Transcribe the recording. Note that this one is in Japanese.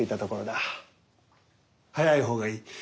早い方がいい。